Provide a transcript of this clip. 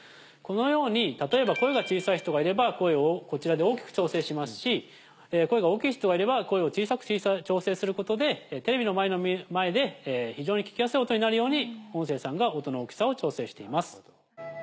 このように例えば声が小さい人がいれば声をこちらで大きく調整しますし声が大きい人がいれば声を小さく調整することでテレビの前で非常に聞きやすい音になるように音声さんが音の大きさを調整しています。